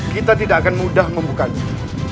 kita tidak akan mudah membukanya